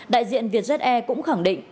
đại diện vietjet air cũng khẳng định